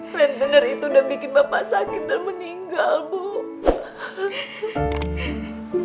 rentener itu udah bikin bapak sakit dan meninggal ibu